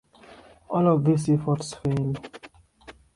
All of these efforts fail.